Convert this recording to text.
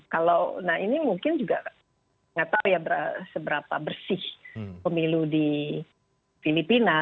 kalau nah ini mungkin juga nggak tahu ya seberapa bersih pemilu di filipina